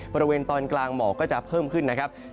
บริเวณตอนกลางหมอกก็จะเพิ่มขึ้นนะครับ